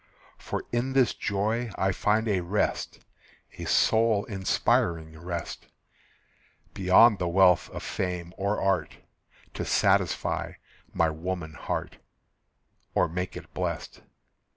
For in this joy I find a rest, A soul inspiring rest, Beyond the wealth of fame or art, To satisfy my woman heart, Or make it blest.